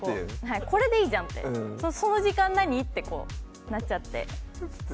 これでいいじゃんってその時間何？ってなっちゃって。